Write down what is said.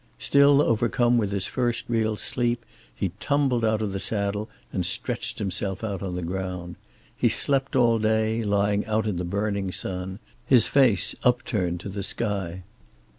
Still overcome with his first real sleep he tumbled out of the saddle and stretched himself out on the ground. He slept all day, lying out in the burning sun, his face upturned to the sky.